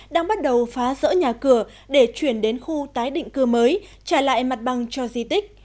đang bắt đầu phá rỡ nhà cửa để chuyển đến khu tái định cư mới trả lại mặt bằng cho di tích